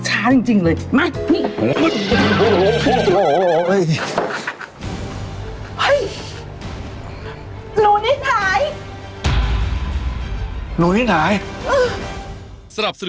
ช้าจริงเลยมา